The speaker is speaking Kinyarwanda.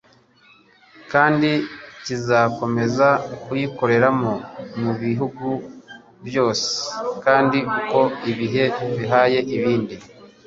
kandi kizakomeza kuyikoreramo mu bihugu byose kandi uko ibihe bihaye ibindi.